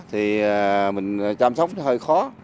thì mình chăm sóc nó hơi khó